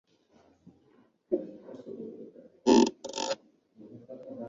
寿辰八月二十五。